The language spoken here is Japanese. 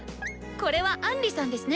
これはアンリさんですね！